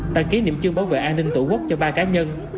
tăng ký niệm chương bảo vệ an ninh tổ quốc cho ba cá nhân